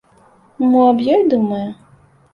Мо аб ёй думае?